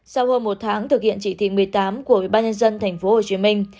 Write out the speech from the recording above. sau hơn một tháng thực hiện chỉ thị một mươi tám của ủy ban nhân dân thành phố hồ chí minh